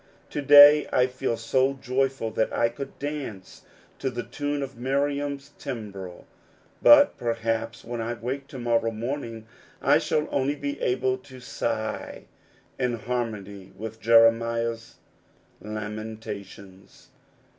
To day I feel so joyful that I could dance to the tune of Miriam's timbrel ; but perhaps when I wake to morrow morning I shall only be able to sigh in harnony with Jeremiah's lamentations.